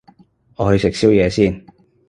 我去食宵夜先